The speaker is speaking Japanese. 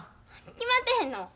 決まってへんの？